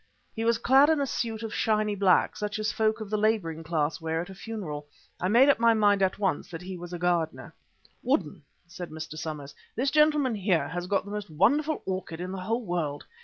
He was clad in a suit of shiny black, such as folk of the labouring class wear at a funeral. I made up my mind at once that he was a gardener. "Woodden," said Mr. Somers, "this gentleman here has got the most wonderful orchid in the whole world.